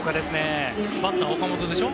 バッター、岡本でしょ？